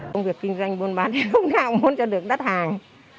công việc kinh doanh buôn bán lúc nào cũng muốn cho được đắt hàng